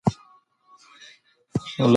قادر او سردار به هره ورځ درس ته تلل خو زه نه.